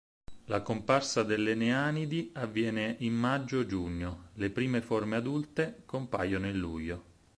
La comparsa delle neanidi avviene in maggio-giugno, le prime forme adulte compaiono in luglio.